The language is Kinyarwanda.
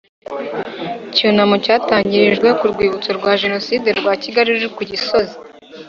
cy icyunamo cyatangirijwe ku Rwibutso rwa Jenoside rwa Kigali ruri ku Gisozi